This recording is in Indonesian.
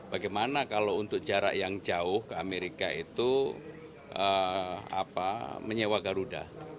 bagaimana kalau untuk jarak yang jauh ke amerika itu menyewa garuda